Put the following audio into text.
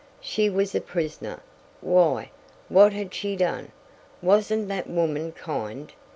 She was a prisoner! Why? What had she done? Wasn't that woman kind?